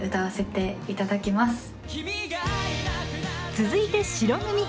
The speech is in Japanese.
続いて白組。